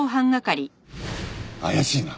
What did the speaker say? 怪しいな。